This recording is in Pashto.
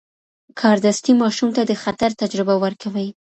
کاردستي ماشوم ته د خطر تجربه ورکوي.